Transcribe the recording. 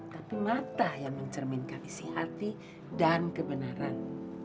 tapi mata yang mencerminkan isi hati dan kebenaran